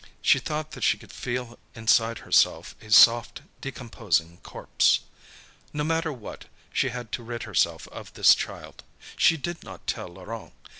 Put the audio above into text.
She thought that she could feel inside herself a soft, decomposing corpse. No matter what, she had to rid herself of this child. She did not tell Laurent.